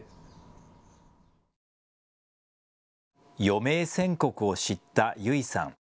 余命宣告を知った優生さん。